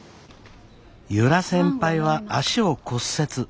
由良先輩は足を骨折。